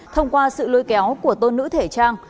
thông qua sự lôi kéo của tôn nữ thể trang